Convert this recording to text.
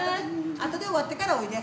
あとで終わってからおいで。